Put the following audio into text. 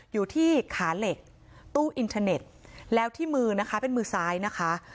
อยู่ที่ขาเหล็กตู้อินเทอร์เน็ตแล้วที่มือนะคะเป็นมือซ้ายนะคะ